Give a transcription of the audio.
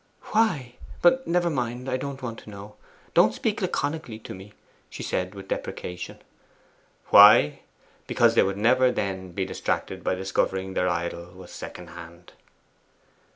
'Why? but never mind I don't want to know. Don't speak laconically to me,' she said with deprecation. 'Why? Because they would never then be distracted by discovering their idol was second hand.